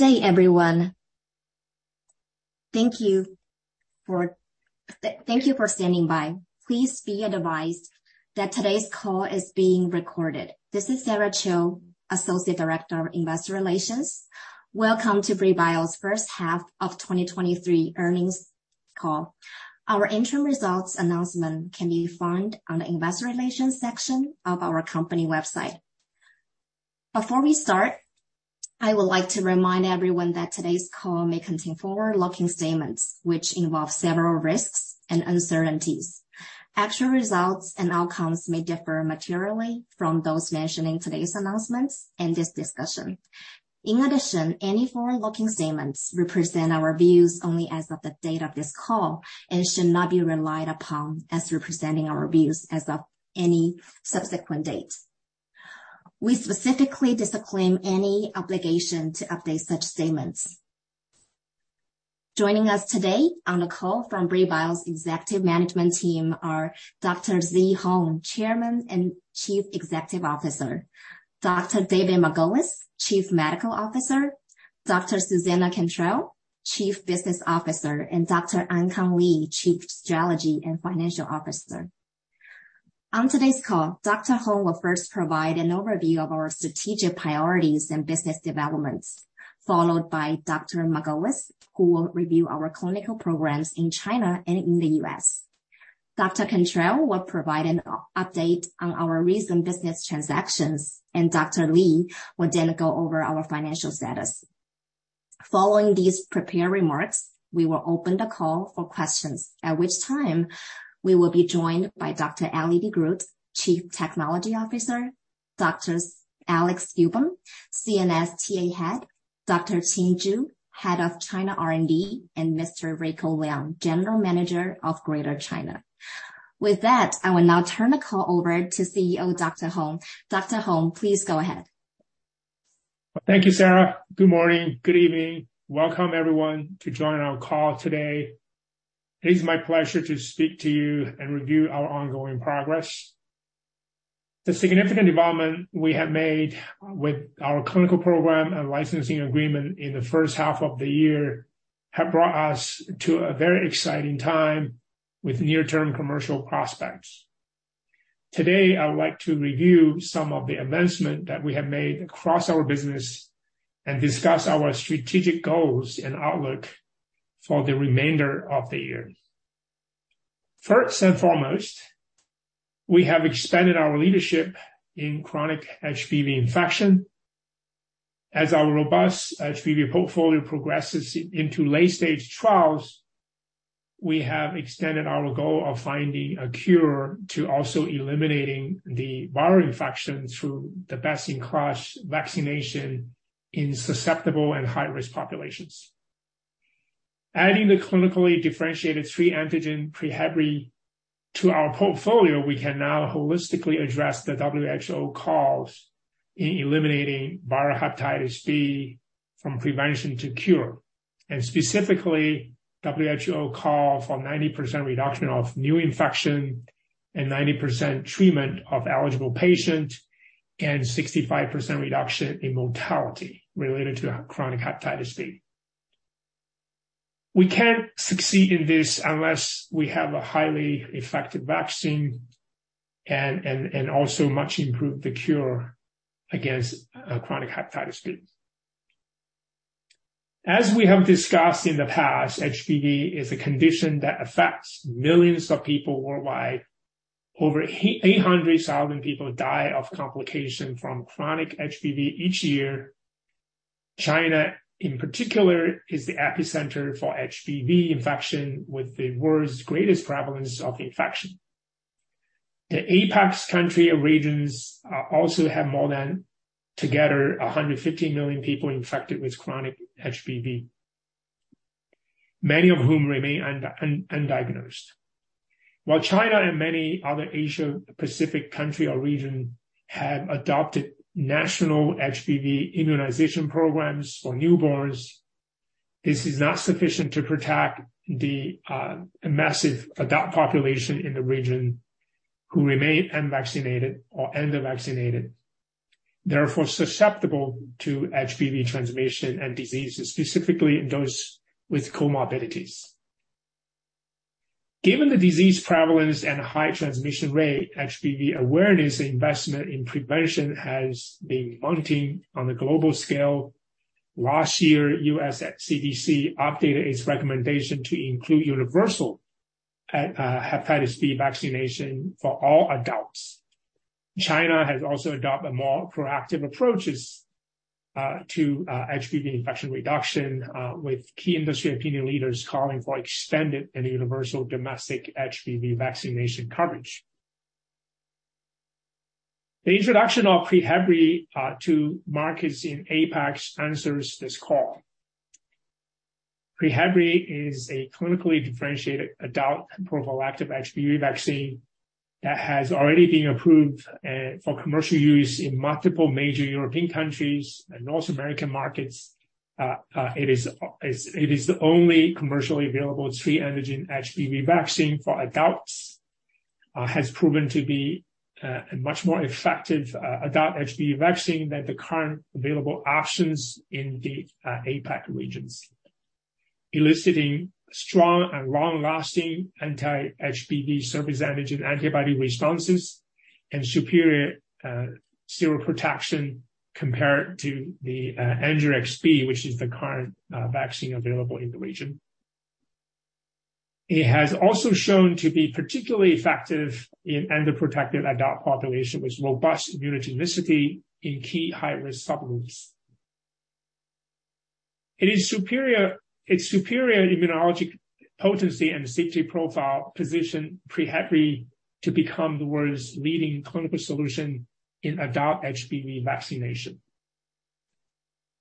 Good day, everyone. Thank you for, thank you for standing by. Please be advised that today's call is being recorded. This is Sarah Cho, associate director of investor relations. Welcome to Brii Biosciences' first half of 2023 earnings call. Our interim results announcement can be found on the investor relations section of our company website. Before we start, I would like to remind everyone that today's call may contain forward-looking statements, which involve several risks and uncertainties. Actual results and outcomes may differ materially from those mentioned in today's announcements and this discussion. Any forward-looking statements represent our views only as of the date of this call and should not be relied upon as representing our views as of any subsequent date. We specifically disclaim any obligation to update such statements. Joining us today on the call from Brii Biosciences' executive management team are Dr. Zhi Hong, Chairman and Chief Executive Officer, Dr. David Margolis, Chief Medical Officer, Dr. Susannah Cantrell, Chief Business Officer, and Dr. Ankang Li, Chief Strategy and Financial Officer. On today's call, Dr. Hong will first provide an overview of our strategic priorities and business developments, followed by Dr. Margolis, who will review our clinical programs in China and in the US. Dr. Cantrell will provide an update on our recent business transactions, Dr. Li will then go over our financial status. Following these prepared remarks, we will open the call for questions, at which time we will be joined by Eleanor de Groot, Chief Technology Officer, Dr. Alex Suban, CNS head, Dr. Qing Zhu, Head of China R&D, and Mr. Rico Liang, General Manager of Greater China. With that, I will now turn the call over to CEO, Dr. Hong. Dr. Hong, please go ahead. Thank you, Sarah. Good morning, good evening. Welcome, everyone, to joining our call today. It is my pleasure to speak to you and review our ongoing progress. The significant development we have made with our clinical program and licensing agreement in the first half of the year have brought us to a very exciting time with near-term commercial prospects. Today, I would like to review some of the advancement that we have made across our business and discuss our strategic goals and outlook for the remainder of the year. First and foremost, we have expanded our leadership in chronic HBV infection. As our robust HBV portfolio progresses into late-stage trials, we have extended our goal of finding a cure to also eliminating the viral infection through the vaccine crush vaccination in susceptible and high-risk populations. Adding the clinically differentiated three-antigen PreHevbri to our portfolio, we can now holistically address the WHO calls in eliminating viral Hepatitis B from prevention to cure, specifically, WHO call for 90% reduction of new infection and 90% treatment of eligible patients and 65% reduction in mortality related to chronic Hepatitis B. We can't succeed in this unless we have a highly effective vaccine and also much improved the cure against chronic Hepatitis B. As we have discussed in the past, HBV is a condition that affects millions of people worldwide. Over 800,000 people die of complication from chronic HBV each year. China, in particular, is the epicenter for HBV infection, with the world's greatest prevalence of infection. The APAC country or regions also have more than, together, 150 million people infected with chronic HBV, many of whom remain undiagnosed. China and many other Asia Pacific country or region have adopted national HBV immunization programs for newborns, this is not sufficient to protect the massive adult population in the region who remain unvaccinated or under-vaccinated, therefore susceptible to HBV transmission and diseases, specifically those with comorbidities. Given the disease prevalence and high transmission rate, HBV awareness investment in prevention has been mounting on a global scale. Last year, US CDC updated its recommendation to include universal hepatitis B vaccination for all adults. China has also adopt a more proactive approaches to HBV infection reduction with key industry opinion leaders calling for expanded and universal domestic HBV vaccination coverage. The introduction of PreHevbri to markets in APAC answers this call. PreHevbri is a clinically differentiated adult prophylactic HBV vaccine that has already been approved for commercial use in multiple major European countries and North American markets. It is the only commercially available three-antigen HBV vaccine for adults. Has proven to be a much more effective adult HBV vaccine than the current available options in the APAC regions. Eliciting strong and long-lasting anti-HBV surface antigen antibody responses and superior seroprotection compared to the Engerix-B, which is the current vaccine available in the region. It has also shown to be particularly effective in underprotected adult population, with robust immunogenicity in key high-risk subgroups. Its superior immunologic potency and safety profile position PreHevbri to become the world's leading clinical solution in adult HBV vaccination.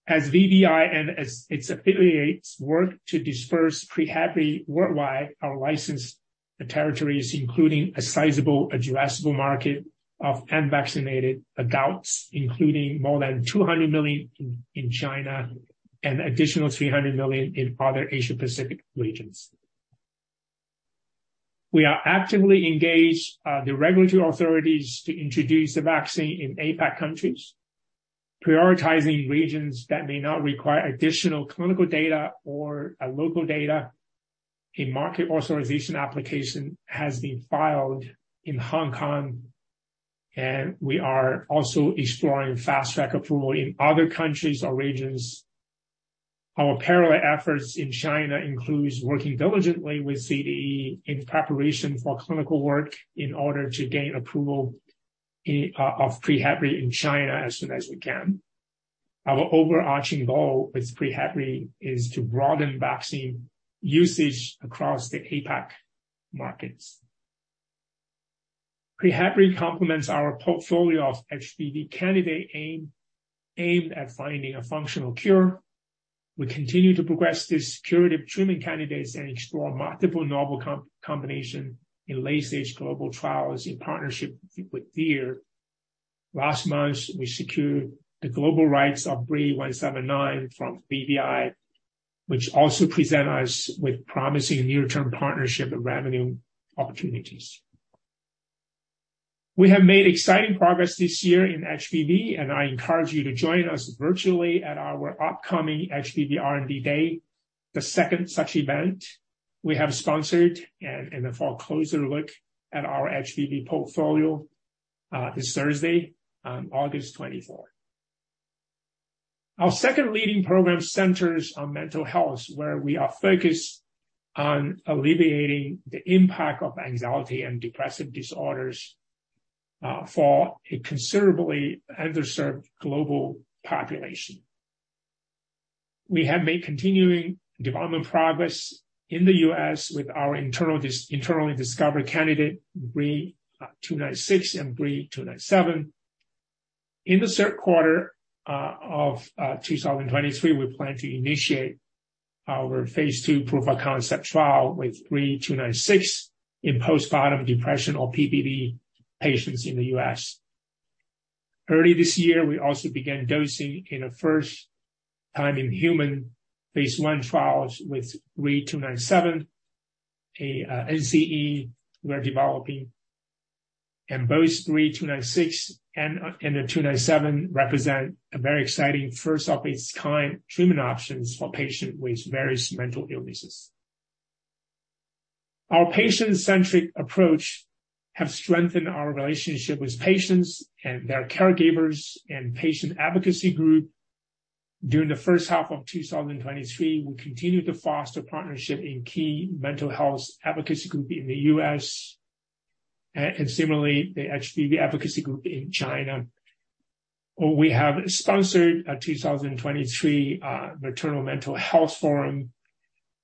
As VBI and its affiliates work to disperse PreHevbri worldwide, our licensed territories, including a sizable addressable market of unvaccinated adults, including more than 200 million in China and additional 300 million in other Asia Pacific regions. We are actively engaged the regulatory authorities to introduce the vaccine in APAC countries, prioritizing regions that may not require additional clinical data or local data. A market authorization application has been filed in Hong Kong. We are also exploring fast-track approval in other countries or regions. Our parallel efforts in China includes working diligently with CDE in preparation for clinical work in order to gain approval of PreHevbri in China as soon as we can. Our overarching goal with PreHevbri is to broaden vaccine usage across the APAC markets. PreHevbri complements our portfolio of HBV candidate aim, aimed at finding a functional cure. We continue to progress these curative treatment candidates and explore multiple novel combination in late-stage global trials in partnership with Vir. Last month, we secured the global rights of BRII-179 from VBI, which also present us with promising near-term partnership and revenue opportunities. We have made exciting progress this year in HBV, and I encourage you to join us virtually at our upcoming HBV R&D Day, the second such event we have sponsored, for a closer look at our HBV portfolio, this Thursday, on August 24th. Our second leading program centers on mental health, where we are focused on alleviating the impact of anxiety and depressive disorders, for a considerably underserved global population. We have made continuing development progress in the US with our internally discovered candidate, BRII-296 and BRII-297. In the third quarter of 2023, we plan to initiate our phase II proof-of-concept trial with BRII-296 in postpartum depression, or PPD, patients in the US. Early this year, we also began dosing in a first time-in-human phase I trials with BRII-297, a NCE we are developing. Both BRII-296 and BRII-297 represent a very exciting first-of-its-kind treatment options for patient with various mental illnesses. Our patient-centric approach have strengthened our relationship with patients and their caregivers and patient advocacy group. During the first half of 2023, we continued to foster partnership in key mental health advocacy group in the US and similarly, the HBV advocacy group in China. We have sponsored a 2023 Maternal Mental Health Forum,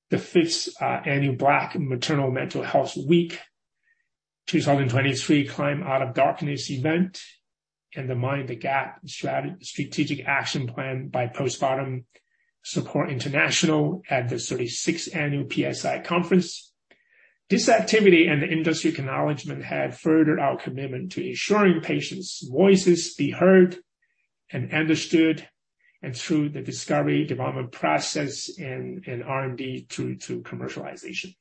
the 5th annual Black Maternal Mental Health Week, 2023 Climb Out of Darkness event, and the Mind the Gap Strategic Action Plan by Postpartum Support International at the 36th annual PSI conference. This activity and industry acknowledgment have furthered our commitment to ensuring patients' voices be heard and understood, and through the discovery development process and R&D to commercialization.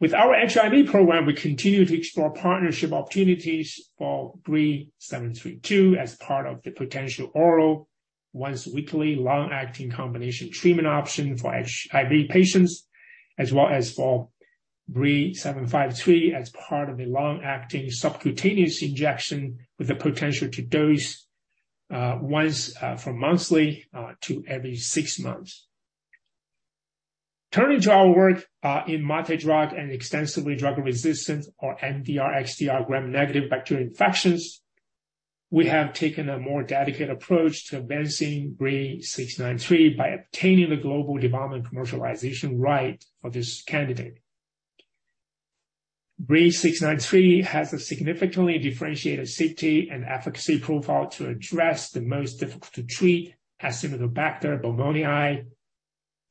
With our HIV program, we continue to explore partnership opportunities for BRII-732 as part of the potential oral, once-weekly, long-acting combination treatment option for HIV patients, as well as for BRII-753, as part of a long-acting subcutaneous injection with the potential to dose once from monthly to every six months. Turning to our work in multi-drug and extensively drug-resistant, or MDR, XDR, Gram-negative bacterial infections, we have taken a more dedicated approach to advancing BRII-693 by obtaining the global development commercialization right of this candidate. BRII-693 has a significantly differentiated safety and efficacy profile to address the most difficult to treat Acinetobacter baumannii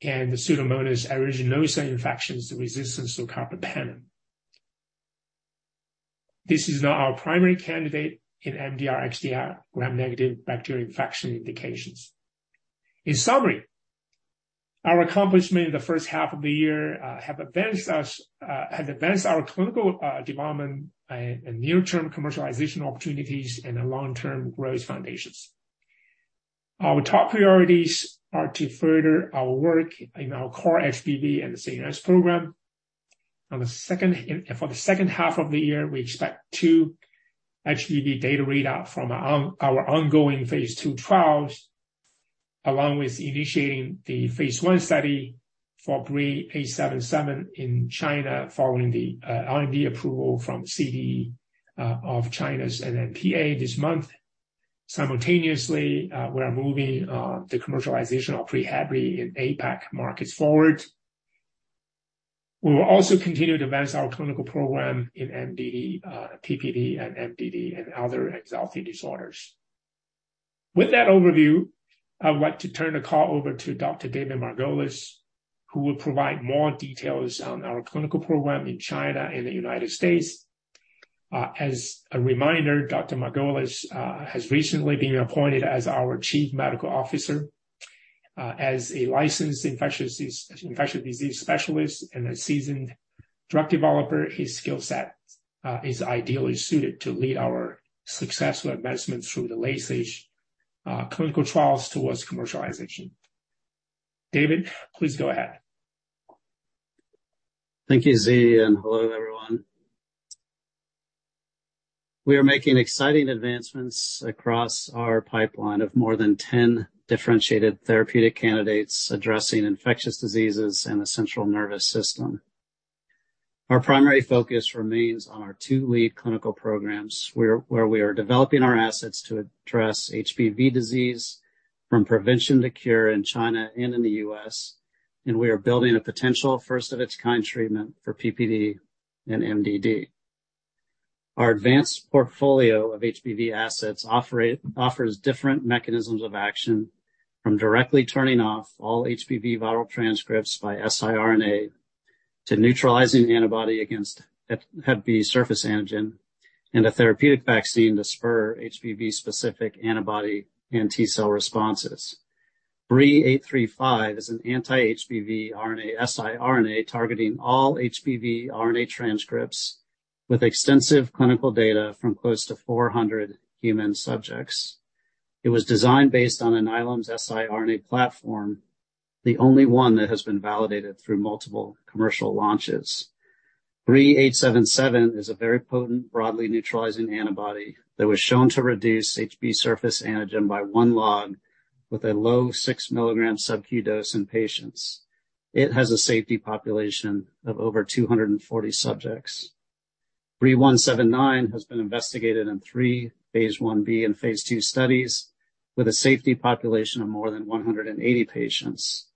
and the Pseudomonas aeruginosa infections, the resistance to carbapenem. This is now our primary candidate in MDR, XDR Gram-negative bacterial infection indications. In summary, our accomplishment in the first half of the year has advanced our clinical development and near-term commercialization opportunities and our long-term growth foundations. Our top priorities are to further our work in our core HBV and the CNS program. On the second, and for the second half of the year, we expect 2 HBV data readout from our ongoing Phase 2 trials, along with initiating the Phase 1 study for BRII-877 in China, following the IND approval from CDE of China's NMPA this month. Simultaneously, we are moving the commercialization of PreHevbri in APAC markets forward. We will also continue to advance our clinical program in PPD and MDD, and other anxiety disorders. With that overview, I'd like to turn the call over to Dr. David Margolis, who will provide more details on our clinical program in China and the United States. As a reminder, Dr. Margolis has recently been appointed as our chief medical officer. As a licensed infectious disease specialist and a seasoned drug developer, his skill set is ideally suited to lead our successful advancements through the late stage clinical trials towards commercialization. David, please go ahead. Thank you, Zhi, and hello, everyone. We are making exciting advancements across our pipeline of more than 10 differentiated therapeutic candidates addressing infectious diseases and the central nervous system. Our primary focus remains on our two lead clinical programs, where we are developing our assets to address HBV disease from prevention to cure in China and in the US, and we are building a potential first-of-its-kind treatment for PPD and MDD. Our advanced portfolio of HBV assets offers different mechanisms of action, from directly turning off all HBV viral transcripts by siRNA, to neutralizing antibody against hep B surface antigen, and a therapeutic vaccine to spur HBV-specific antibody and T cell responses. BRII-835 is an anti-HBV RNA siRNA, targeting all HBV RNA transcripts with extensive clinical data from close to 400 human subjects. It was designed based on Alnylam's siRNA platform, the only one that has been validated through multiple commercial launches. BRII-877 is a very potent, broadly neutralizing antibody that was shown to reduce HB surface antigen by 1 log with a low 6 milligram subQ dose in patients. It has a safety population of over 240 subjects. BRII-179 has been investigated in 3 phase Ib and phase II studies, with a safety population of more than 180 patients.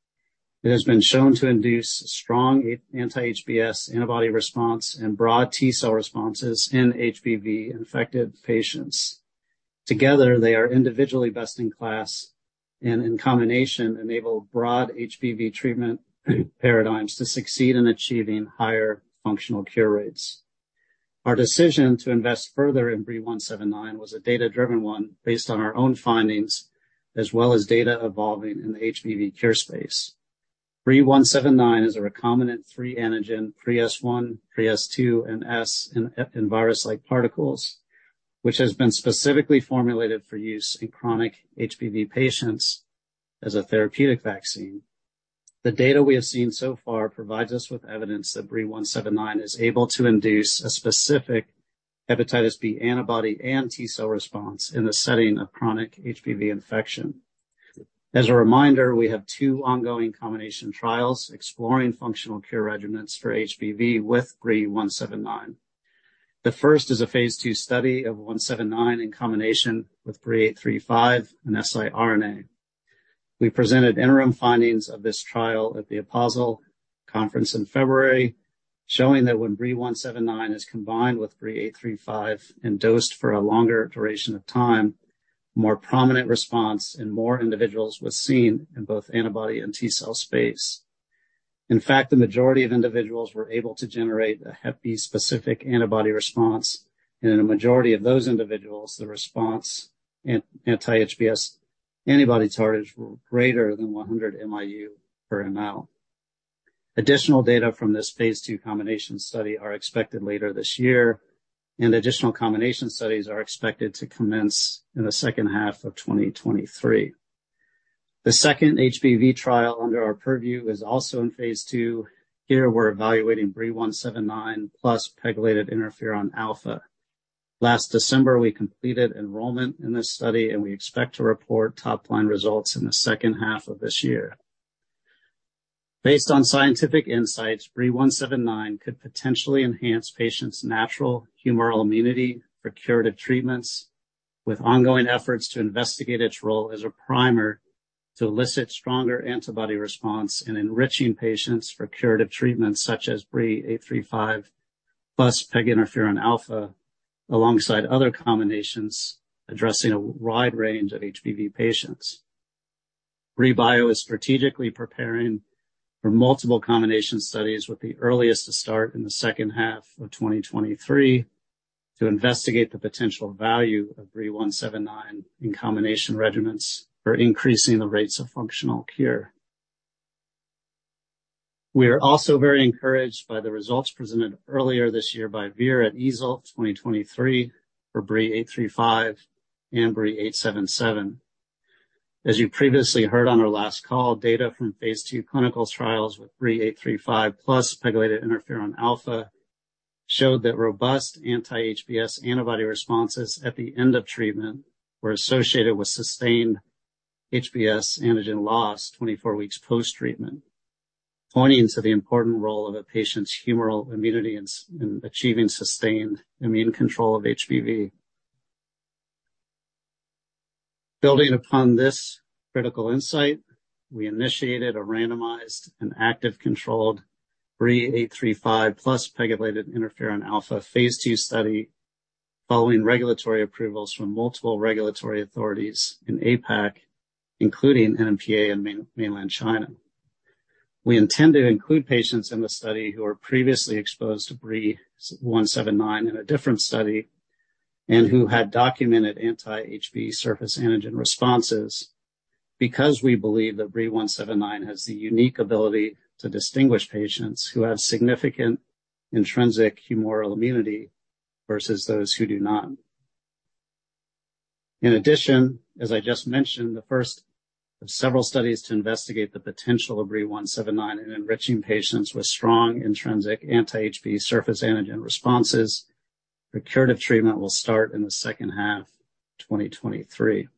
It has been shown to induce strong anti-HBs antibody response and broad T cell responses in HBV-infected patients. Together, they are individually best-in-class, and in combination, enable broad HBV treatment paradigms to succeed in achieving higher functional cure rates. Our decision to invest further in BRII-179 was a data-driven one based on our own findings, as well as data evolving in the HBV cure space. BRII-179 is a recombinant 3-antigen, PreS1, PreS2, and S in virus-like particles, which has been specifically formulated for use in chronic HBV patients as a therapeutic vaccine. The data we have seen so far provides us with evidence that BRII-179 is able to induce a specific hepatitis B antibody and T cell response in the setting of chronic HBV infection. As a reminder, we have 2 ongoing combination trials exploring functional cure regimens for HBV with BRII-179. The first is a phase II study of 179 in combination with BRII-835, an siRNA. We presented interim findings of this trial at the APASL conference in February, showing that when BRII-179 is combined with BRII-835 and dosed for a longer duration of time, more prominent response in more individuals was seen in both antibody and T-cell space. In fact, the majority of individuals were able to generate an HBV-specific antibody response, and in a majority of those individuals, the response in anti-HBs antibody titers were greater than 100 MIU per ml. Additional data from this phase II combination study are expected later this year, and additional combination studies are expected to commence in the second half of 2023. The second HBV trial under our purview is also in phase II. Here, we're evaluating BRII-179 plus pegylated interferon alfa. Last December, we completed enrollment in this study. We expect to report top-line results in the second half of this year. Based on scientific insights, BRII-179 could potentially enhance patients' natural humoral immunity for curative treatments, with ongoing efforts to investigate its role as a primer to elicit stronger antibody response in enriching patients for curative treatments such as BRII-835 plus pegylated interferon alfa, alongside other combinations addressing a wide range of HBV patients. BriivBio is strategically preparing for multiple combination studies, with the earliest to start in the second half of 2023.... to investigate the potential value of BRII-179 in combination regimens for increasing the rates of functional cure. We are also very encouraged by the results presented earlier this year by Vir Biotechnology at EASL 2023 for BRII-835 and BRII-877. As you previously heard on our last call, data from Phase II clinical trials with BRII-835 plus pegylated interferon alfa showed that robust anti-HBs antibody responses at the end of treatment were associated with sustained HBs antigen loss 24 weeks post-treatment, pointing to the important role of a patient's humoral immunity in in achieving sustained immune control of HBV. Building upon this critical insight, we initiated a randomized and active controlled BRII-835 plus pegylated interferon alfa Phase II study following regulatory approvals from multiple regulatory authorities in APAC, including NMPA in Mainland China. We intend to include patients in the study who were previously exposed to BRII-179 in a different study and who had documented anti-HBs surface antigen responses because we believe that BRII-179 has the unique ability to distinguish patients who have significant intrinsic humoral immunity versus those who do not. In addition, as I just mentioned, the first of several studies to investigate the potential of BRII-179 in enriching patients with strong intrinsic anti-HB surface antigen responses for curative treatment will start in the second half of 2023.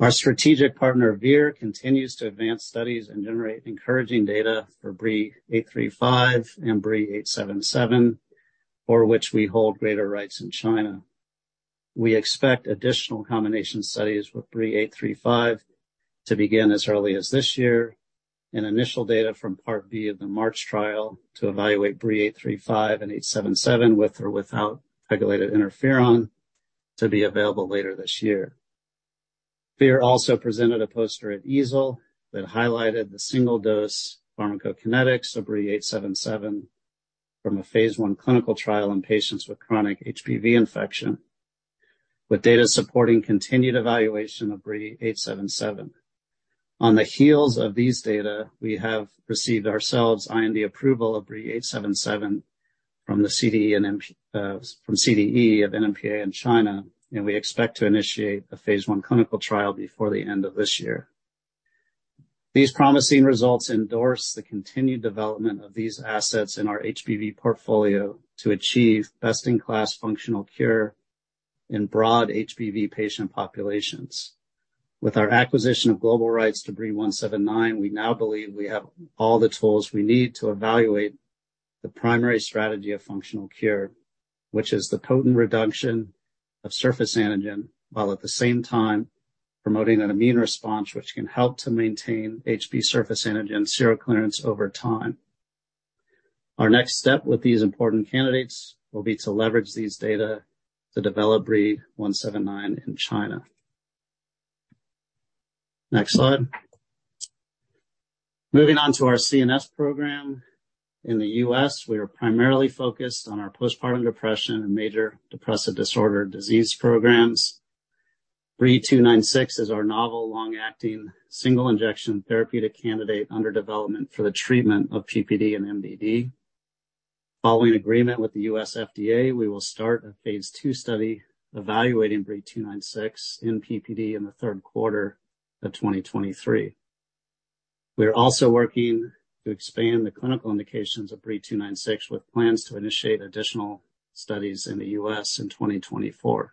Our strategic partner, Vir, continues to advance studies and generate encouraging data for BRII-835 and BRII-877, for which we hold greater rights in China. We expect additional combination studies with BRII-835 to begin as early as this year, and initial data from Part B of the MARCH trial to evaluate BRII-835 and 877 with or without pegylated interferon to be available later this year. Vir also presented a poster at EASL that highlighted the single-dose pharmacokinetics of BRII-877 from a phase I clinical trial in patients with chronic HBV infection, with data supporting continued evaluation of BRII-877. On the heels of these data, we have received ourselves IND approval of BRII-877 from the CDE of NMPA in China, and we expect to initiate a Phase I clinical trial before the end of this year. These promising results endorse the continued development of these assets in our HBV portfolio to achieve best-in-class functional cure in broad HBV patient populations. With our acquisition of global rights to BRII-179, we now believe we have all the tools we need to evaluate the primary strategy of functional cure, which is the potent reduction of surface antigen, while at the same time promoting an immune response which can help to maintain HBV surface antigen seroclearance over time. Our next step with these important candidates will be to leverage these data to develop BRII-179 in China. Next slide. Moving on to our CNS program. In the U.S., we are primarily focused on our postpartum depression and major depressive disorder disease programs. BRII-296 is our novel long-acting, single-injection therapeutic candidate under development for the treatment of PPD and MDD. Following agreement with the U.S. FDA, we will start a Phase II study evaluating BRII-296 in PPD in the third quarter of 2023. We are also working to expand the clinical indications of BRII-296, with plans to initiate additional studies in the U.S. in 2024.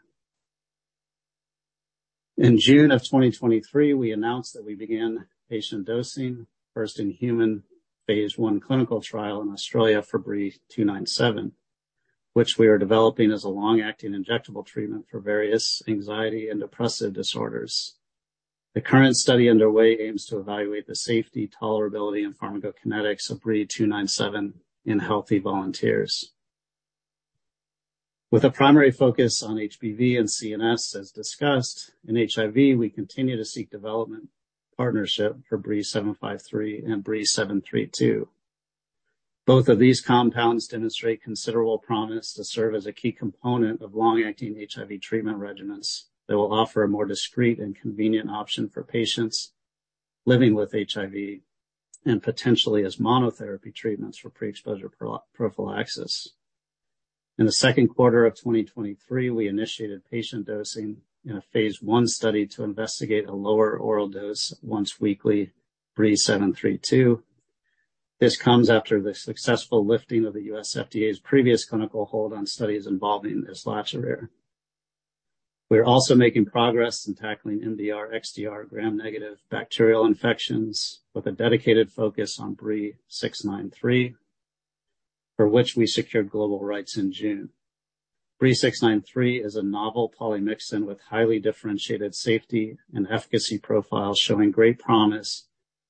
In June of 2023, we announced that we began patient dosing, first in human Phase I clinical trial in Australia for BRII-297, which we are developing as a long-acting injectable treatment for various anxiety and depressive disorders. The current study underway aims to evaluate the safety, tolerability, and pharmacokinetics of BRII-297 in healthy volunteers. With a primary focus on HBV and CNS, as discussed, in HIV, we continue to seek development partnership for BRII-753 and BRII-732. Both of these compounds demonstrate considerable promise to serve as a key component of long-acting HIV treatment regimens that will offer a more discreet and convenient option for patients living with HIV and potentially as monotherapy treatments for pre-exposure prophylaxis. In the second quarter of 2023, we initiated patient dosing in a Phase I study to investigate a lower oral dose once-weekly BRII-732. This comes after the successful lifting of the U.S. FDA's previous clinical hold on studies involving this last year. We are also making progress in tackling MDR, XDR, Gram-negative bacterial infections, with a dedicated focus on BRII-693, for which we secured global rights in June. BRII-693 is a novel polymyxin with highly differentiated safety and efficacy profiles, showing great promise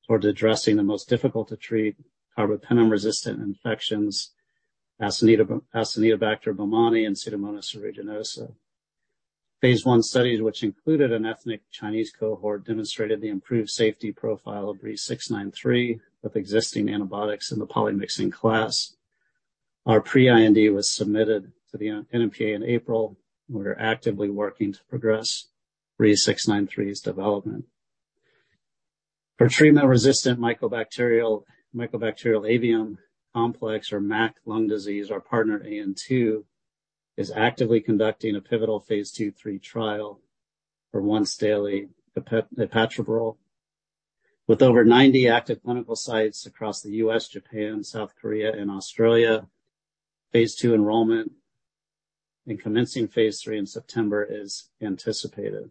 towards addressing the most difficult to treat carbapenem-resistant infections, Acinetobacter baumannii and Pseudomonas aeruginosa. Phase I studies, which included an ethnic Chinese cohort, demonstrated the improved safety profile of BRII-693 with existing antibiotics in the polymyxin class. Our pre-IND was submitted to the NMPA in April. We're actively working to progress BRII-693's development. For treatment-resistant Mycobacterial avium complex, or MAC lung disease, our partner, AN2, is actively conducting a pivotal Phase II/III trial for once-daily epetraborole. With over 90 active clinical sites across the U.S., Japan, South Korea, and Australia, Phase II enrollment and commencing Phase III in September is anticipated.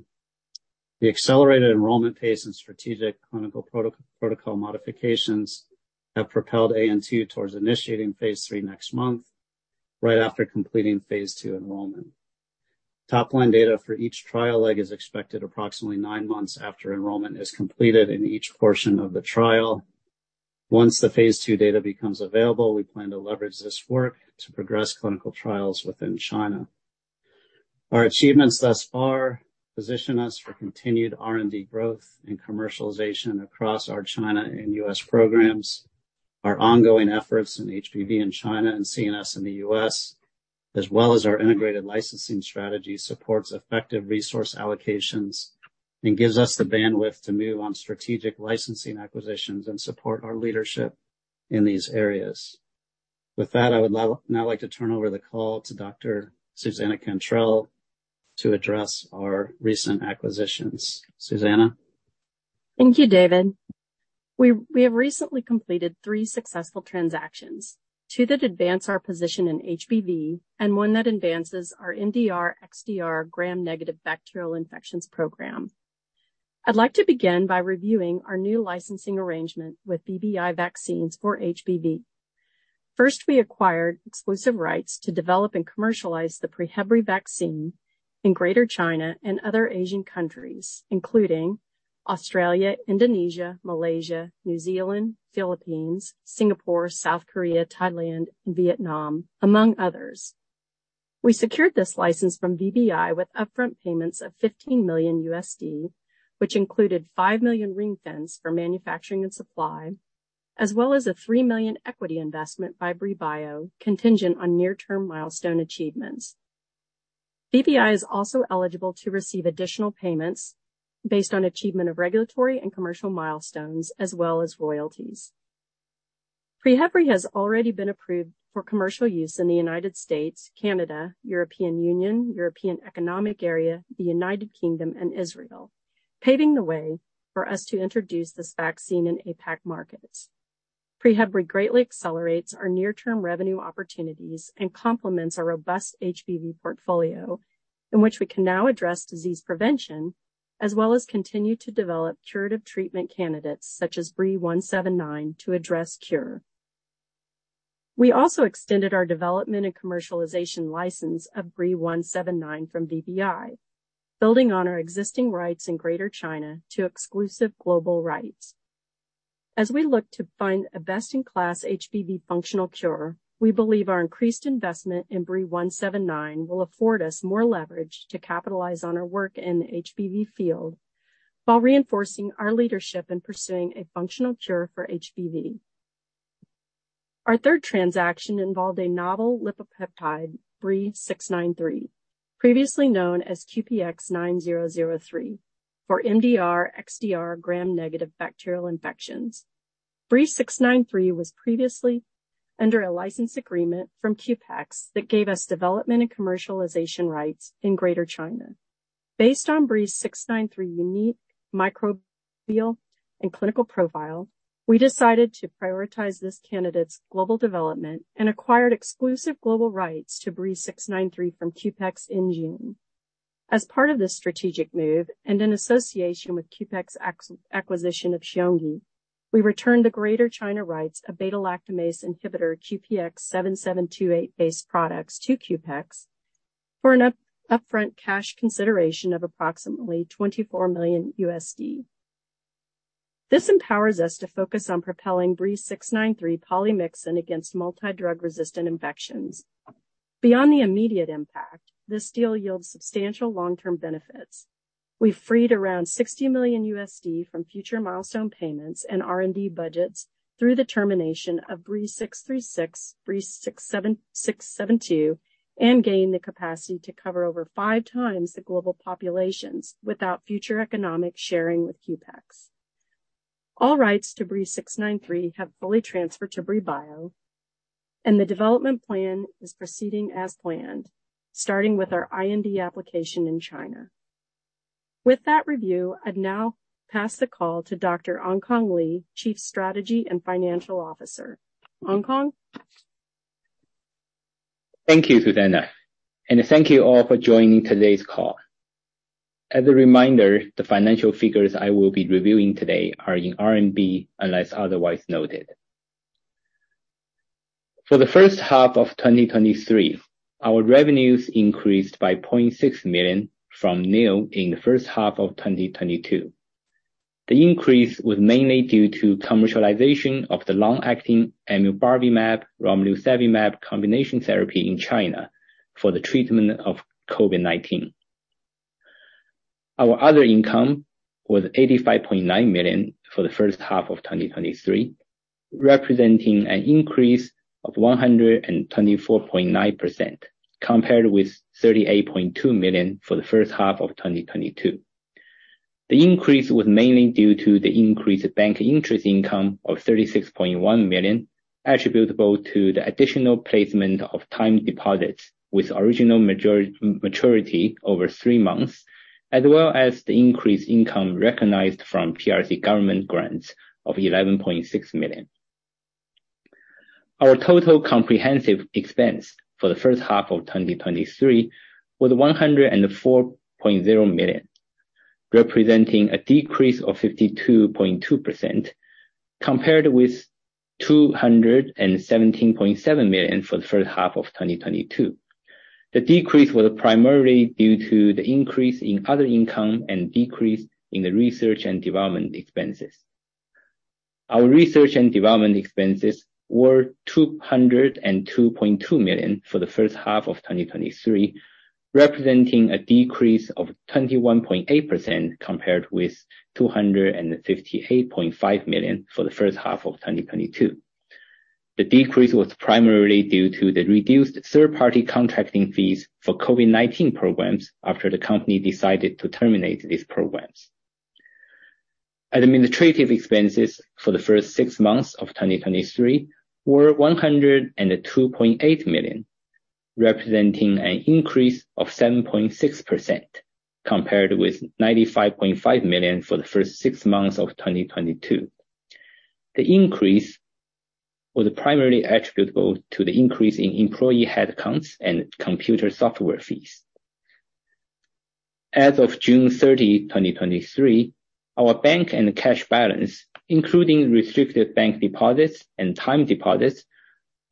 The accelerated enrollment pace and strategic clinical protocol modifications have propelled AN2 towards initiating Phase III next month, right after completing Phase II enrollment. Top line data for each trial leg is expected approximately 9 months after enrollment is completed in each portion of the trial. Once the Phase II data becomes available, we plan to leverage this work to progress clinical trials within China. Our achievements thus far position us for continued R&D growth and commercialization across our China and US programs. Our ongoing efforts in HBV in China and CNS in the US, as well as our integrated licensing strategy, supports effective resource allocations and gives us the bandwidth to move on strategic licensing acquisitions and support our leadership in these areas. With that, I would now like to turn over the call to Dr. Susannah Cantrell to address our recent acquisitions. Susannah? Thank you, David. We, we have recently completed three successful transactions, two that advance our position in HBV and one that advances our MDR/XDR Gram-negative bacterial infections program. I'd like to begin by reviewing our new licensing arrangement with VBI Vaccines for HBV. First, we acquired exclusive rights to develop and commercialize the PreHevbri vaccine in Greater China and other Asian countries, including Australia, Indonesia, Malaysia, New Zealand, Philippines, Singapore, South Korea, Thailand, and Vietnam, among others. We secured this license from VBI with upfront payments of $15 million, which included $5 million ringfence for manufacturing and supply, as well as a $3 million equity investment by Brii Bio, contingent on near-term milestone achievements. VBI is also eligible to receive additional payments based on achievement of regulatory and commercial milestones, as well as royalties. PreHevbri has already been approved for commercial use in the United States, Canada, European Union, European Economic Area, the United Kingdom, and Israel, paving the way for us to introduce this vaccine in APAC markets. PreHevbri greatly accelerates our near-term revenue opportunities and complements our robust HBV portfolio, in which we can now address disease prevention, as well as continue to develop curative treatment candidates such as BRII-179 to address cure. We also extended our development and commercialization license of BRII-179 from BBI, building on our existing rights in Greater China to exclusive global rights. As we look to find a best-in-class HBV functional cure, we believe our increased investment in BRII-179 will afford us more leverage to capitalize on our work in the HBV field, while reinforcing our leadership in pursuing a functional cure for HBV. Our third transaction involved a novel lipopeptide, BRII-693, previously known as QPX-9003, for MDR/XDR gram-negative bacterial infections. BRII-693 was previously under a license agreement from Qpex that gave us development and commercialization rights in Greater China. Based on BRII-693's unique microbial and clinical profile, we decided to prioritize this candidate's global development and acquired exclusive global rights to BRII-693 from Qpex in June. As part of this strategic move, in association with Qpex acquisition of Shionogi, we returned the Greater China rights of beta-lactamase inhibitor QPX-7728-based products to Qpex for an upfront cash consideration of approximately $24 million. This empowers us to focus on propelling BRII-693 polymyxin against multi-drug-resistant infections. Beyond the immediate impact, this deal yields substantial long-term benefits. We've freed around $60 million from future milestone payments and R&D budgets through the termination of BRII-636, BRII-672, and gained the capacity to cover over five times the global populations without future economic sharing with Qpex. All rights to BRII-693 have fully transferred to Brii Bio, and the development plan is proceeding as planned, starting with our IND application in China. With that review, I'd now pass the call to Dr. Ankang Li, Chief Strategy and Financial Officer. Ankang? Thank you, Susanna, and thank you all for joining today's call. As a reminder, the financial figures I will be reviewing today are in RMB, unless otherwise noted. For the first half of 2023, our revenues increased by 0.6 million from nil in the first half of 2022. The increase was mainly due to commercialization of the long-acting amubarvimab, romlusevimab combination therapy in China for the treatment of COVID-19. Our other income was 85.9 million for the first half of 2023, representing an increase of 124.9%, compared with 38.2 million for the first half of 2022. The increase was mainly due to the increased bank interest income of $36.1 million, attributable to the additional placement of time deposits with original maturity over three months, as well as the increased income recognized from PRC government grants of $11.6 million. Our total comprehensive expense for the first half of 2023 was $104.0 million, representing a decrease of 52.2% compared with $217.7 million for the first half of 2022. The decrease was primarily due to the increase in other income and decrease in the research and development expenses. Our research and development expenses were $202.2 million for the first half of 2023, representing a decrease of 21.8% compared with $258.5 million for the first half of 2022. The decrease was primarily due to the reduced third-party contracting fees for COVID-19 programs after the company decided to terminate these programs. Administrative expenses for the first six months of 2023 were $102.8 million, representing an increase of 7.6% compared with $95.5 million for the first six months of 2022. The increase was primarily attributable to the increase in employee headcounts and computer software fees. As of June 30, 2023, our bank and cash balance, including restricted bank deposits and time deposits,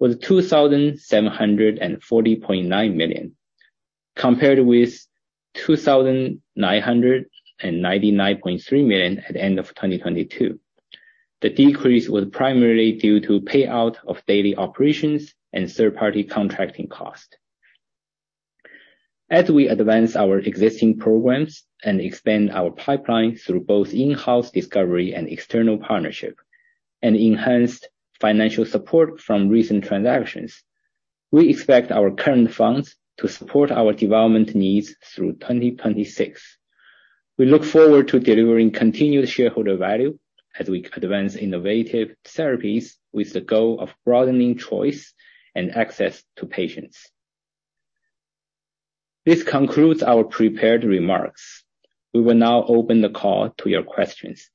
was 2,740.9 million, compared with 2,999.3 million at the end of 2022. The decrease was primarily due to payout of daily operations and third-party contracting cost. As we advance our existing programs and expand our pipeline through both in-house discovery and external partnership and enhanced financial support from recent transactions, we expect our current funds to support our development needs through 2026. We look forward to delivering continued shareholder value as we advance innovative therapies with the goal of broadening choice and access to patients. This concludes our prepared remarks. We will now open the call to your questions.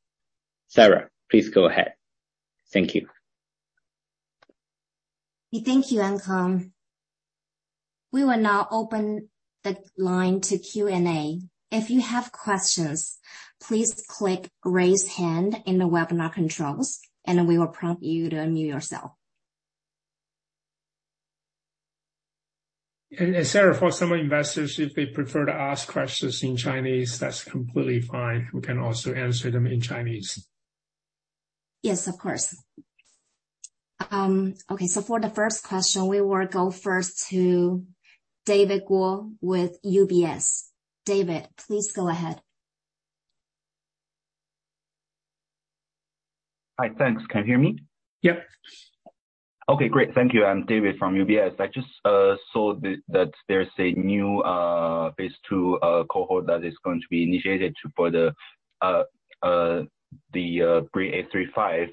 Sarah, please go ahead. Thank you. Thank you, Ankang. We will now open the line to Q&A. If you have questions, please click Raise Hand in the webinar controls, and we will prompt you to unmute yourself. Sarah, for some investors, if they prefer to ask questions in Chinese, that's completely fine. We can also answer them in Chinese. Yes, of course. Okay, for the first question, we will go first to David Guo with UBS. David, please go ahead. Hi, thanks. Can you hear me? Yep. Okay, great. Thank you. I'm David from UBS. I just saw that there's a new phase 2 cohort that is going to be initiated to, for the, the BRII-835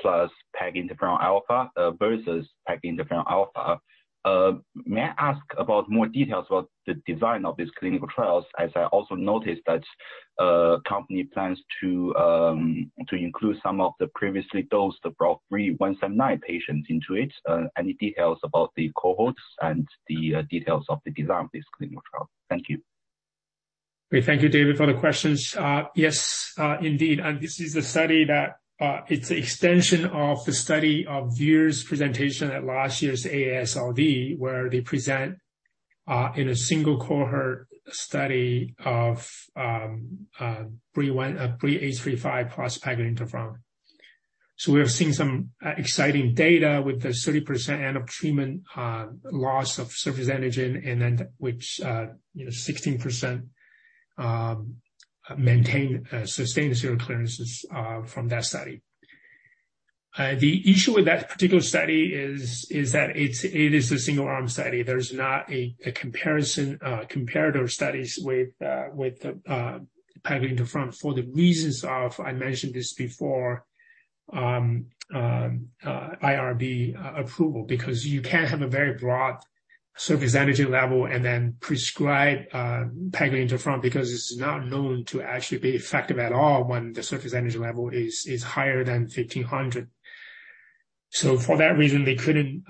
plus peg interferon alfa versus peg interferon alfa. May I ask about more details about the design of these clinical trials, as I also noticed that company plans to include some of the previously dosed, the BRII-179 patients into it. Any details about the cohorts and the details of the design of this clinical trial? Thank you. Great. Thank you, David, for the questions. Yes, indeed, This is a study that, it's an extension of the study of years presentation at last year's AASLD, where they present, in a single cohort study of, BRII-835 plus peg interferon. We have seen some, exciting data with the 30% end of treatment, loss of surface antigen, and then which, you know, 16% maintain, sustained serum clearances, from that study. The issue with that particular study is that it is a single-arm study. There's not a comparison, comparator studies with the peg interferon for the reasons of, I mentioned this before, IRB, approval. Because you can't have a very broad surface antigen level and then prescribe, peg interferon, because it's not known to actually be effective at all when the surface antigen level is, is higher than 1,500. For that reason, they couldn't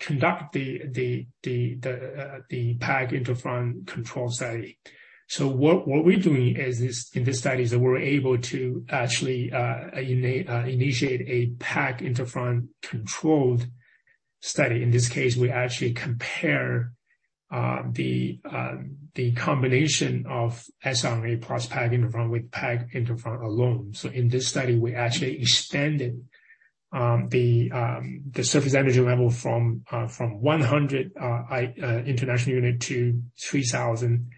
conduct the, the, the, the, the peg interferon control study. What, what we're doing is this, in this study, is that we're able to actually initiate a peg interferon controlled study. In this case, we actually the combination of siRNA plus peg interferon with peg interferon alone. In this study, we actually extended the surface antigen level from 100 international unit to 3,000,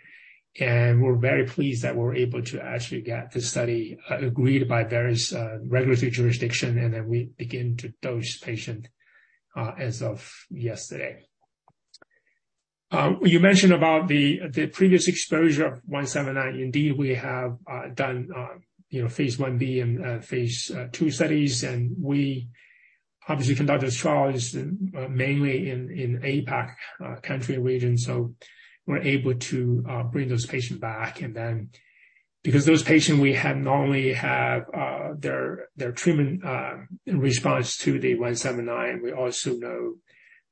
and we're very pleased that we're able to actually get this study agreed by various regulatory jurisdiction, and then we begin to dose patient as of yesterday. You mentioned about the previous exposure of 179. Indeed, we have done, you know, phase 1B and phase II studies, and we obviously conducted trials mainly in APAC country region, so we're able to bring those patients back. Because those patients we had normally have their treatment in response to the 179, we also know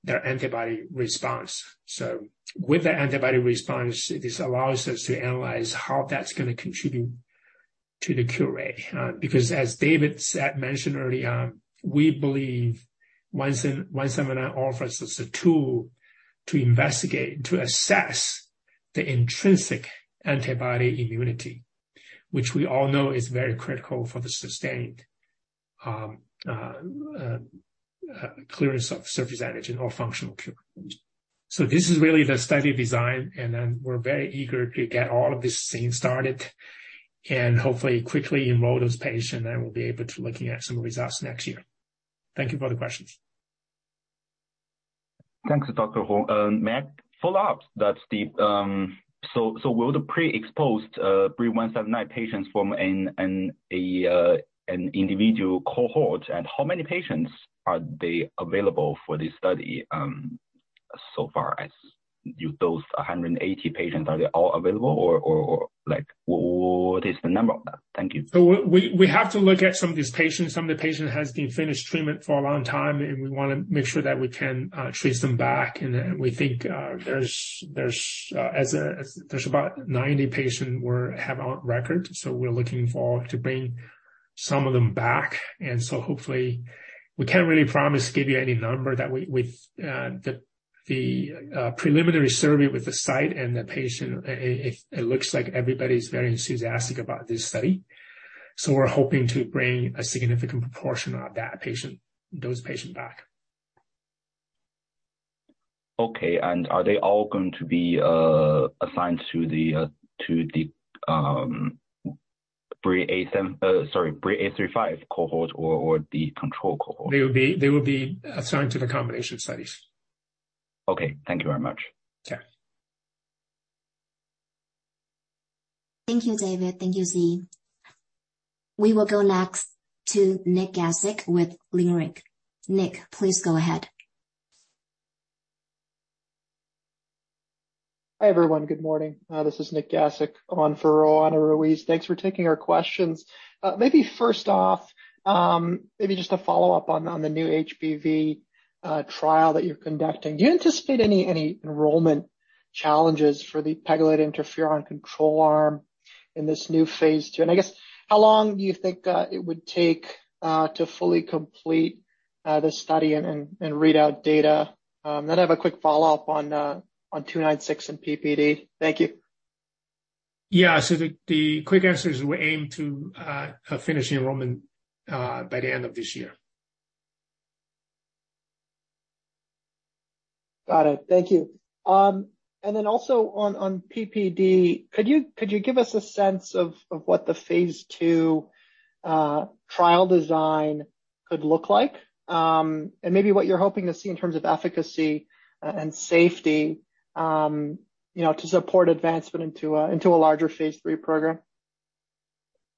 their antibody response. With the antibody response, this allows us to analyze how that's going to contribute to the cure rate. Because as David said, mentioned earlier, we believe BRII-179 offers us a tool to investigate, to assess the intrinsic antibody immunity, which we all know is very critical for the sustained clearance of surface antigen or functional cure. This is really the study design, and then we're very eager to get all of this thing started and hopefully quickly enroll those patients, and we'll be able to looking at some results next year. Thank you for the questions. Thanks, Dr. Hong. Matt, follow-up, that's the... Were the pre-exposed BRII-179 patients from an individual cohort, and how many patients are they available for this study so far? As you dose 180 patients, are they all available, or what is the number of them? Thank you. We, we, we have to look at some of these patients. Some of the patient has been finished treatment for a long time, and we want to make sure that we can trace them back. Then we think, there's, there's, there's about 90 patient we're, have on record, so we're looking forward to bring some of them back. Hopefully. We can't really promise to give you any number that we, we, the, the, preliminary survey with the site and the patient, it, it, it looks like everybody's very enthusiastic about this study. We're hoping to bring a significant proportion of that patient, those patients back. Okay, are they all going to be assigned to the to the BRII-877, sorry, BRII-835 cohort or, or the control cohort? They will be assigned to the combination studies. Okay. Thank you very much. Sure. Thank you, David. Thank you, Xie. We will go next to Nik Gasic with Leerink. Nick, please go ahead. Hi, everyone. Good morning. This is Nik Gasic on for Roanna Ruiz. Thanks for taking our questions. Maybe first off, maybe just a follow-up on, on the new HBV trial that you're conducting. Do you anticipate any, any enrollment challenges for the pegylated interferon control arm in this new phase II? I guess, how long do you think it would take to fully complete the study and, and, and read out data? Then I have a quick follow-up on two nine six and PPD. Thank you. Yeah, the, the quick answer is we aim to finish the enrollment by the end of this year. Got it. Thank you. Then also on, on PPD, could you, could you give us a sense of, of what the phase two trial design could look like? Maybe what you're hoping to see in terms of efficacy a- and safety, you know, to support advancement into a, into a larger phase III program.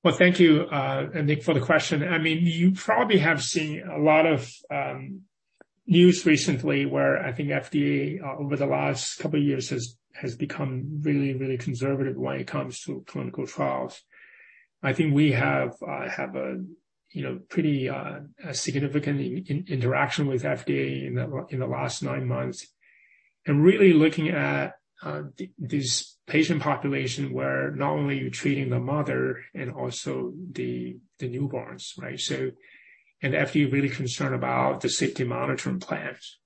Well, thank you, Nick, for the question. I mean, you probably have seen a lot of news recently where I think FDA over the last couple of years has become really, really conservative when it comes to clinical trials. I think we have a, you know, pretty significant interaction with FDA in the last nine months, and really looking at this patient population, where not only are you treating the mother and also the newborns, right? FDA really concerned about the safety monitoring plans.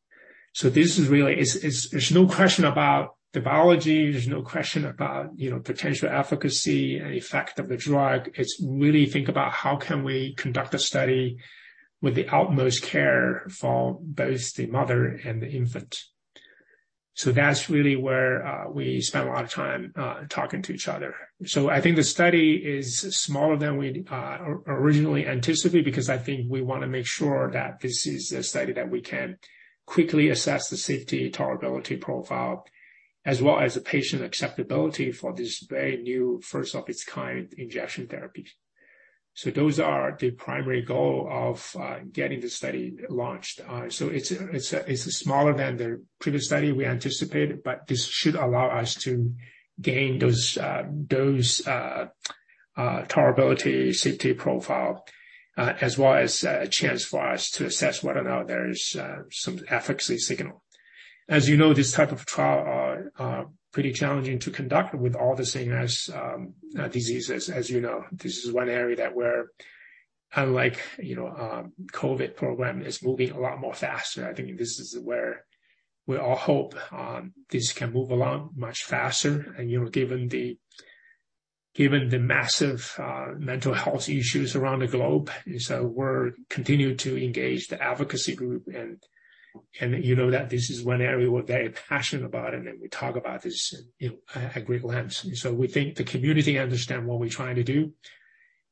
This is really... there's no question about the biology. There's no question about, you know, potential efficacy and effect of the drug. It's really think about how can we conduct a study with the utmost care for both the mother and the infant. That's really where we spent a lot of time talking to each other. I think the study is smaller than we originally anticipated, because I think we want to make sure that this is a study that we can quickly assess the safety tolerability profile, as well as the patient acceptability for this very new, first-of-its-kind injection therapy. Those are the primary goal of getting the study launched. It's a, it's a, it's smaller than the previous study we anticipated, but this should allow us to gain those tolerability, safety profile, as well as a chance for us to assess whether or not there is some efficacy signal. As you know, this type of trial are, are pretty challenging to conduct with all the rare disease, as, as you know. This is one area that we're unlike, you know, COVID program is moving a lot more faster. I think this is where we all hope this can move along much faster. You know, given the, given the massive mental health issues around the globe, we're continuing to engage the advocacy group. And you know that this is one area we're very passionate about, and then we talk about this, you know, at great lengths. We think the community understand what we're trying to do,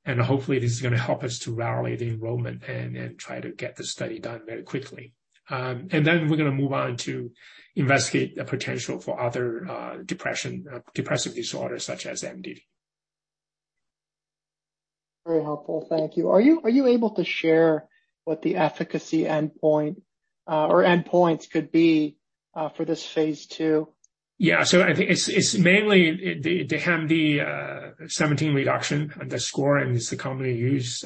and hopefully, this is going to help us to rally the enrollment and try to get the study done very quickly. We're going to move on to investigate the potential for other depression, depressive disorders such as MDD. Very helpful. Thank you. Are you able to share what the efficacy endpoint or endpoints could be for this phase II? Yeah. I think it's mainly the HAMD 17 reduction, the score, and it's the commonly used.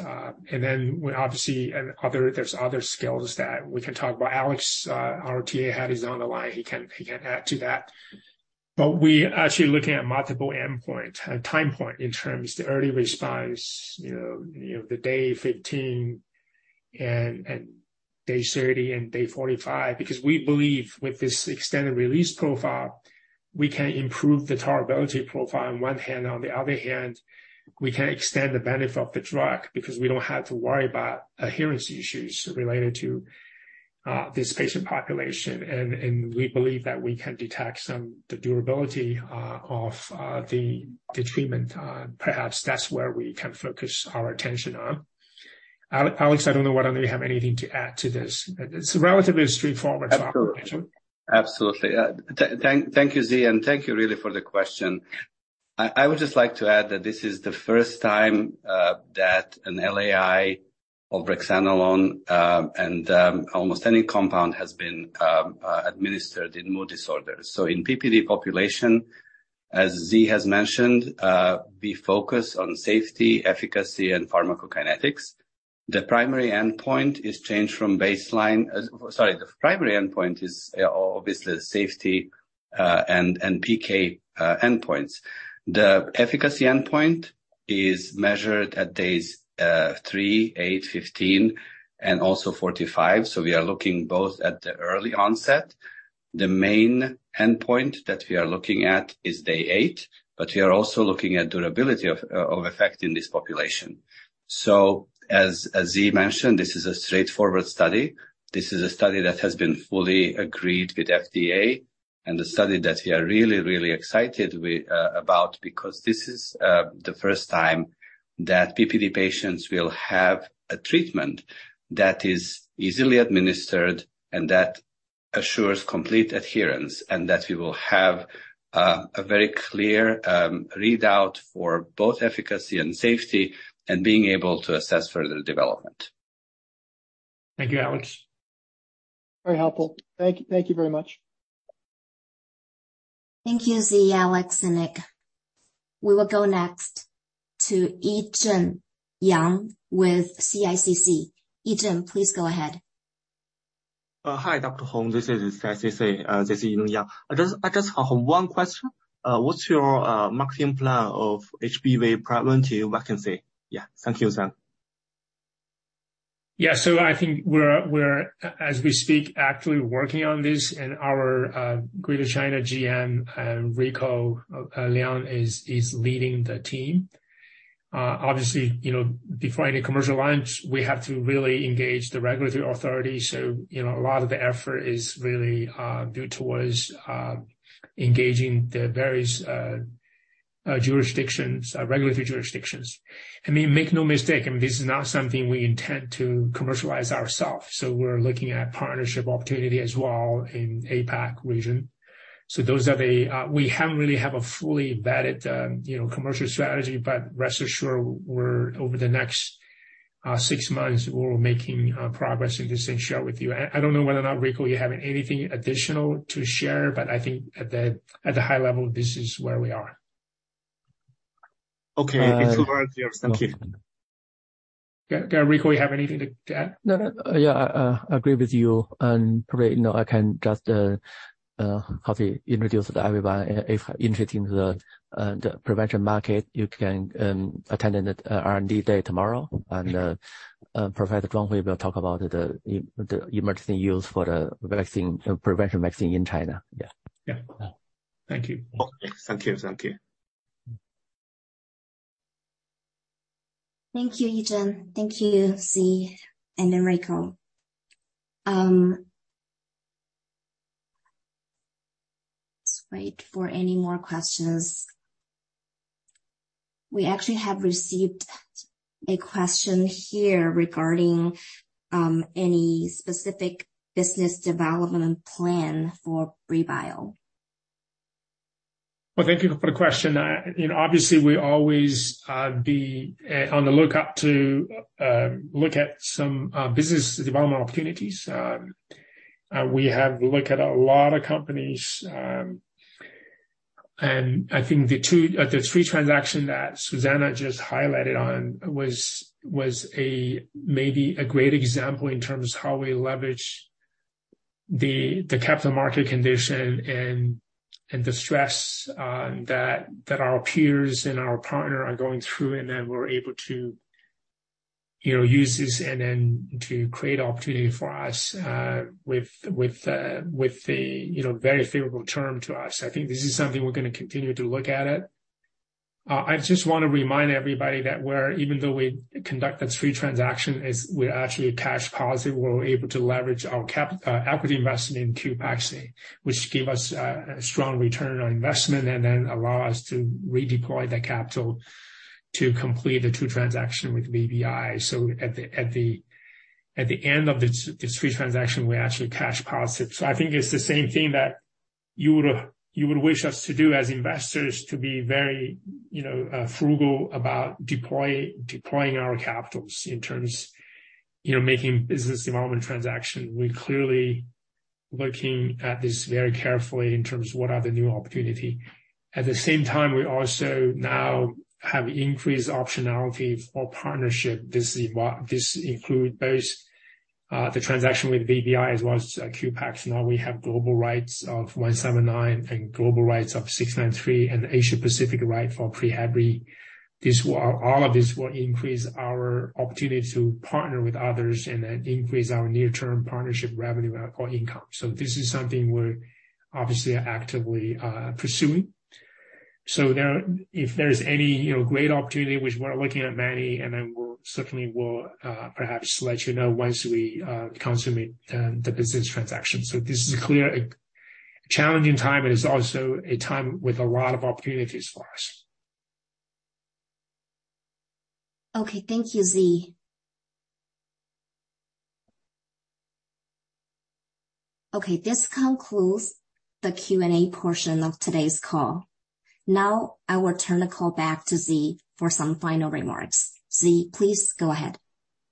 Then when obviously, there's other scales that we can talk about. Alex, our TA head, is on the line, he can add to that. We actually looking at multiple endpoint, time point in terms of the early response, you know, you know, the day 15 and day 30 and day 45, because we believe with this extended release profile, we can improve the tolerability profile on one hand, on the other hand, we can extend the benefit of the drug because we don't have to worry about adherence issues related to this patient population. We believe that we can detect some, the durability of the treatment. Perhaps that's where we can focus our attention on. Alex, I don't know whether you have anything to add to this. It's relatively straightforward presentation. Absolutely. Thank, thank you, Zhi, and thank you really for the question. I, I would just like to add that this is the first time that an LAI of brexanolone, and almost any compound has been administered in mood disorders. In PPD population, as Zhi has mentioned, we focus on safety, efficacy, and pharmacokinetics. The primary endpoint is changed from baseline. Sorry, the primary endpoint is obviously safety, and PK endpoints. The efficacy endpoint is measured at days 3, 8, 15, and also 45. We are looking both at the early onset. The main endpoint that we are looking at is day 8, but we are also looking at durability of, of effect in this population. As, as Zhi mentioned, this is a straightforward study. This is a study that has been fully agreed with FDA and a study that we are really, really excited we about, because this is the first time that PPD patients will have a treatment that is easily administered and that assures complete adherence, and that we will have a very clear readout for both efficacy and safety and being able to assess further development. Thank you, Alex. Very helpful. Thank you. Thank you very much. Thank you, Zhi, Alex, and Nick. We will go next to Yizheng Yang with CICC. Yizhen, please go ahead. Hi, Dr. Hong. This is CICC, this is Yizheng Yang. I just have one question. What's your marketing plan of HBV prevention vaccine? Thank you, sir. Yeah. I think we're, we're, as we speak, actually working on this in our Greater China GM, and Rico Liang is, is leading the team. Obviously, you know, before any commercial lines, we have to really engage the regulatory authority. You know, a lot of the effort is really geared towards engaging the various jurisdictions, regulatory jurisdictions. I mean, make no mistake, and this is not something we intend to commercialize ourselves, so we're looking at partnership opportunity as well in APAC region. Those are the... We haven't really have a fully vetted, you know, commercial strategy, but rest assured, we're over the next six months, we're making progress and just share with you. I, I don't know whether or not, Rico, you have anything additional to share, but I think at the, at the high level, this is where we are. Okay. It's clear. Thank you. Yeah. Rico, you have anything to add? No, no. Yeah, I agree with you, and probably, you know, I can just, probably introduce to everybody if interested in the prevention market, you can attend an R&D day tomorrow, and Professor Zhuang Hui will talk about the emergency use for the vaccine, prevention vaccine in China. Yeah. Yeah. Thank you. Okay. Thank you. Thank you. Thank you, Yizhen. Thank you, Zhi and Rico. Let's wait for any more questions. We actually have received a question here regarding, any specific business development plan for Rebile. Well, thank you for the question. You know, obviously, we always be on the lookout to look at some business development opportunities. We have looked at a lot of companies, and I think the two, the three transaction that Susannah just highlighted on was, was a, maybe a great example in terms of how we leverage the capital market condition and, and the stress that, that our peers and our partner are going through, and then we're able to, you know, use this and then to create opportunity for us, with, with the, you know, very favorable term to us. I think this is something we're gonna continue to look at it. I just wanna remind everybody that even though we conducted three transaction, we're actually cash positive. We're able to leverage our equity investment in Qpex, which give us a, a strong return on investment and then allow us to redeploy the capital to complete the 2 transaction with VBI. At the, at the, at the end of this 3 transaction, we're actually cash positive. I think it's the same thing that you would, you would wish us to do as investors, to be very, you know, frugal about deploying our capitals in terms, you know, making business development transaction. We're clearly looking at this very carefully in terms of what are the new opportunity. At the same time, we also now have increased optionality for partnership. This is what, This include both the transaction with VBI as well as Qpex. Now we have global rights of BRII-179 and global rights of BRII-693, and Asia Pacific right for PreHevbri. All of this will increase our opportunity to partner with others and then increase our near-term partnership revenue or income. This is something we're obviously actively pursuing. There, if there is any, you know, great opportunity, which we're looking at many, and then we'll certainly will perhaps let you know once we consummate the business transaction. This is a clear, a challenging time, and it's also a time with a lot of opportunities for us. Okay. Thank you, Zhi. Okay, this concludes the Q&A portion of today's call. Now, I will turn the call back to Zhi for some final remarks. Zhi, please go ahead.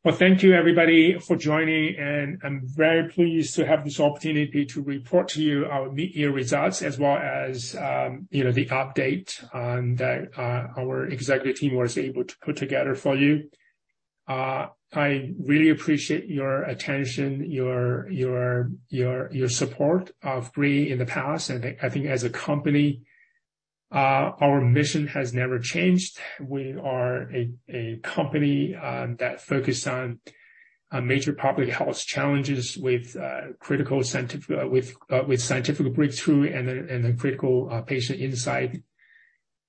Well, thank you, everybody, for joining, and I'm very pleased to have this opportunity to report to you our mid-year results, as well as, you know, the update on that, our executive team was able to put together for you. I really appreciate your attention, your, your, your, your support of Brii in the past, and I, I think as a company, our mission has never changed. We are a, a company, that focused on major public health challenges with critical scientific, with with scientific breakthrough and then, and then critical patient insight.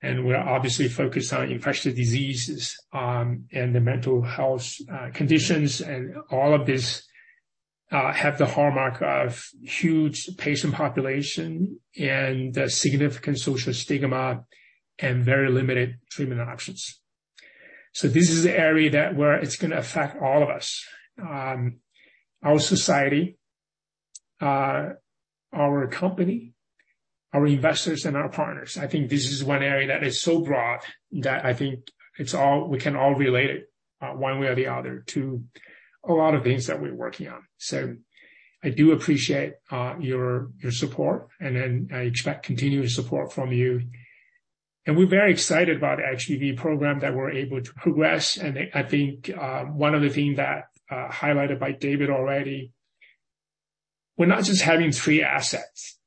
We're obviously focused on infectious diseases, and the mental health, conditions, and all of this, have the hallmark of huge patient population and a significant social stigma and very limited treatment options. This is the area that where it's gonna affect all of us, our society, our company, our investors, and our partners. I think this is one area that is so broad that I think we can all relate it, one way or the other, to a lot of things that we're working on. I do appreciate your, your support, and then I expect continuous support from you. We're very excited about actually the program that we're able to progress, and I think one of the things that highlighted by David already, we're not just having three assets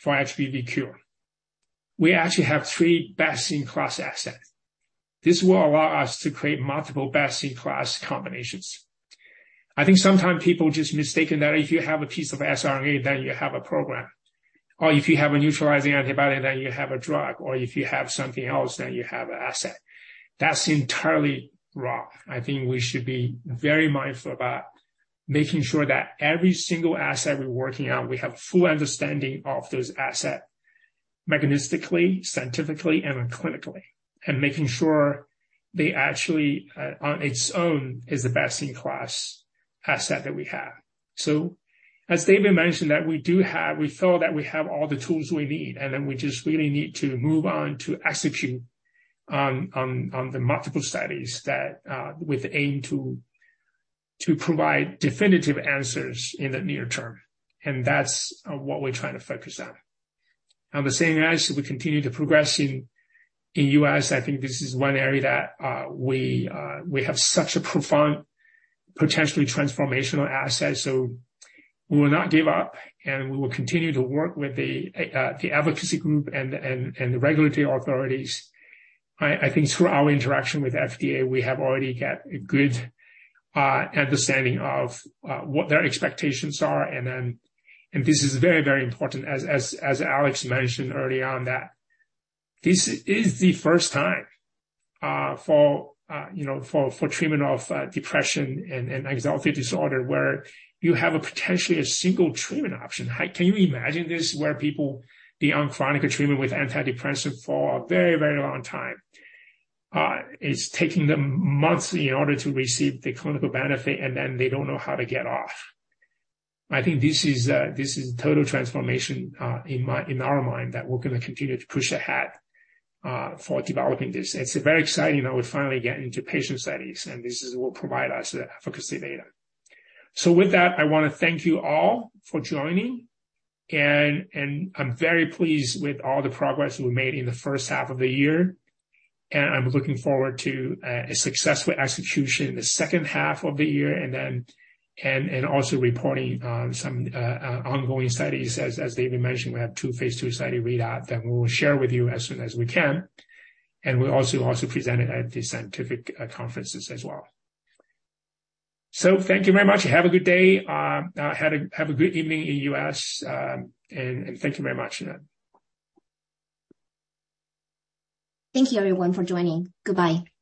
for HPV cure. We actually have three best-in-class assets. This will allow us to create multiple best-in-class combinations. I think sometimes people just mistaken that if you have a piece of mRNA, then you have a program, or if you have a neutralizing antibody, then you have a drug, or if you have something else, then you have an asset. That's entirely wrong. I think we should be very mindful about making sure that every single asset we're working on, we have a full understanding of those asset mechanistically, scientifically, and clinically, and making sure they actually, on its own, is the best-in-class asset that we have. As David mentioned, that we do have-- we feel that we have all the tools we need, and then we just really need to move on to execute on, on, on the multiple studies that, with aim to, to provide definitive answers in the near term. That's, what we're trying to focus on. On the same as we continue to progress in, in U.S., I think this is one area that we have such a profound, potentially transformational asset, so we will not give up, and we will continue to work with the advocacy group and the regulatory authorities. I think through our interaction with FDA, we have already got a good understanding of what their expectations are. This is very, very important, as Alex mentioned early on, that this is the first time for, you know, for, for treatment of depression and anxiety disorder, where you have a potentially a single treatment option. How can you imagine this, where people be on chronic treatment with antidepressant for a very, very long time? It's taking them months in order to receive the clinical benefit, and then they don't know how to get off. I think this is a, this is a total transformation in my-- in our mind, that we're gonna continue to push ahead for developing this. It's very exciting that we finally get into patient studies, and this is, will provide us the efficacy data. With that, I wanna thank you all for joining, and I'm very pleased with all the progress we made in the first half of the year, and I'm looking forward to a successful execution in the second half of the year, and also reporting on some ongoing studies. As, as David mentioned, we have two phase two study readout that we will share with you as soon as we can, and we'll also, also present it at the scientific conferences as well. Thank you very much. Have a good day, have a good evening in US, and, and thank you very much again. Thank you, everyone, for joining. Goodbye.